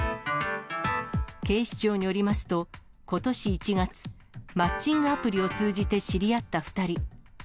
警視庁によりますと、ことし１月、マッチングアプリを通じて知り合った２人。